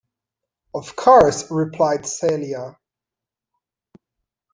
"Of course," replied Celia.